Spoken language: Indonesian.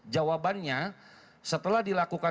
jawabannya setelah dilakukan